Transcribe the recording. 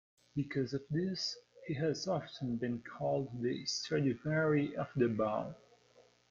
Because of this, he has often been called the Stradivari of the bow.